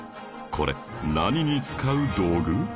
これ何に使う道具？